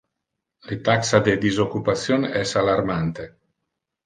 Le taxa de disoccupation es alarmante.